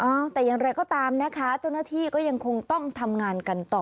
แต่อย่างไรก็ตามนะคะเจ้าหน้าที่ก็ยังคงต้องทำงานกันต่อ